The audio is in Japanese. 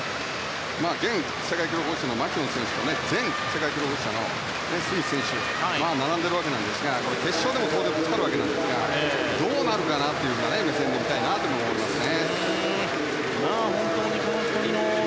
現世界記録保持者のマキュオン選手と前の世界記録保持者のリーガン・スミス選手が決勝でもぶつかるわけですがどうなるかなという目線で見たいなと思いますね。